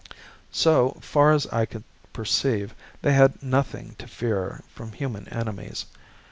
So, far as I could perceive, they had nothing to fear from human enemies.